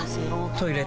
トイレ